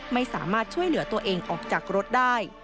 ไม่สามารถช่วยเหลือตัวเองออกจากรถได้